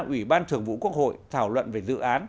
ủy ban thường vụ quốc hội thảo luận về dự án